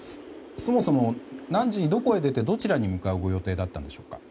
そもそも何時にどこへ出てどちらに向かうご予定だったんでしょうか？